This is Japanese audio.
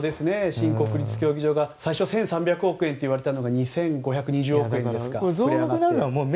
新国立競技場が最初、１３００億円が２５２０億円でしたか。